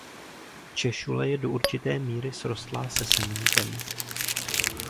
Češule je do určité míry srostlá se semeníkem.